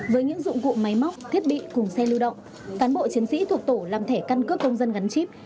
với những dụng cụ máy móc thiết bị cùng xe lưu động cán bộ chiến sĩ thuộc tổ làm thẻ căn cước công dân gắn chip